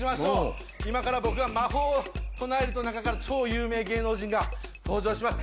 今から僕が魔法を唱えると中から超有名芸能人が登場します。